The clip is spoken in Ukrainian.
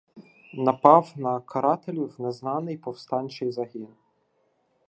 напав на карателів незнаний повстанчий загін.